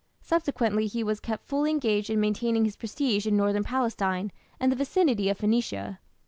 Subsequently he was kept fully engaged in maintaining his prestige in northern Palestine and the vicinity of Phoenicia.